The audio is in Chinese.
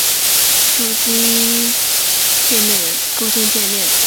主机埠介面的沟通介面。